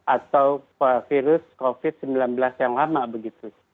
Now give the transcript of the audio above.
atau virus covid sembilan belas yang lama begitu